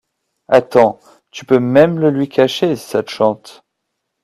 Attends, tu peux même le lui cacher, si ça te chante.